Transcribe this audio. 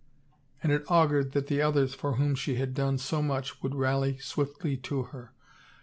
And it augured that the others for whom she had done so much would rally swiftly to her.